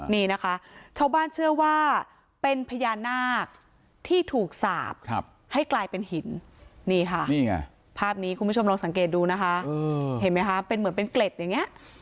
นี่นะคะชาวบ้านเชื่อว่าเป็นพญานาคที่ถูกสาบให้กลายเป็นหินนี่ค่ะนี่ไงภาพนี้คุณผู้ชมลองสังเกตดูนะคะเห็นไหมคะเป็นเหมือนเป็นเกล็ดอย่างนี้